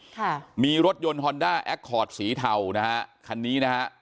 ค่ะมีรถยนต์ฮอนด้าแอคคอร์ดสีเทานะฮะคันนี้นะฮะ